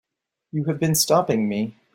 You have been stopping me.